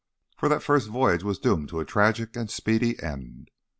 For that first voyage was doomed to a tragic and speedy end.